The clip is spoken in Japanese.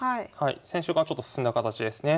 先週からちょっと進んだ形ですね。